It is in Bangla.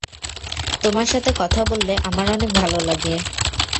তোমার সাথে কথা বললে আমার অনেক ভালো লাগে।